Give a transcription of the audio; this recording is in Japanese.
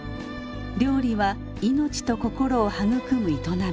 料理は命と心を育む営み。